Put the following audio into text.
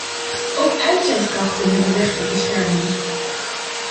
Ook uitzendkrachten hebben recht op bescherming.